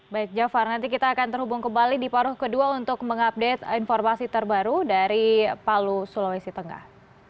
baik jafar nanti kita akan terhubung kembali di paruh kedua untuk mengupdate informasi terbaru dari palu sulawesi tengah